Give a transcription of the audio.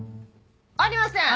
ありません！